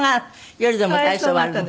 夜でも体操はあるの？